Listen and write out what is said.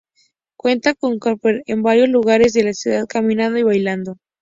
Cuenta con Carpenter en varios lugares de la Ciudad caminando y bailando.